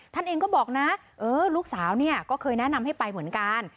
ท่านเองก็บอกนะลูกสาวเนี่ยก็เคยแนะนำให้ไปเหมือนกัน